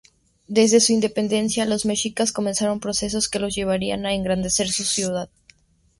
Desde su independencia, los mexicas comenzaron procesos que los llevarían a engrandecer su ciudad.